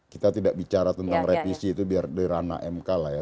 kita tidak bicara tentang revisi itu biar dari ranah mk lah ya